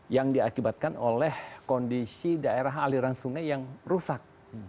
yang diakibatkan oleh kondisi daerah aliran sungai yang rusak